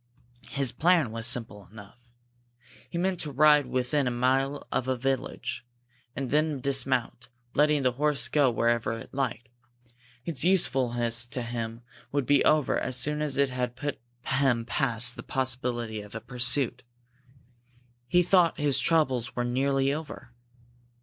His plan was simple enough. He meant to ride to within a mile of the village, and then dismount, letting the horse go wherever it liked. Its usefulness to him would be over as soon as it had put him past the possibility of pursuit. He thought his troubles were nearly over.